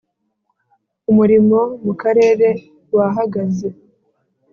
Umurimo mu Karere wahagaze